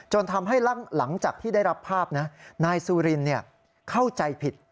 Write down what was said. ทำให้หลังจากที่ได้รับภาพนะนายสุรินเข้าใจผิด